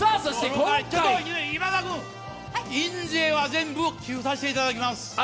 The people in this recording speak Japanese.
今田君、印税は全部寄付させていただきます！